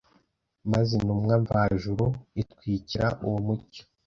Maze intumwa mvajuru itwikira uwo mucyo